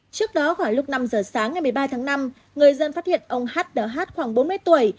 trước đó khoảng lúc năm giờ sáng ngày một mươi ba tháng năm người dân phát hiện ông hát đã hát khoảng bốn mươi tuổi